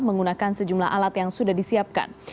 menggunakan sejumlah alat yang sudah disiapkan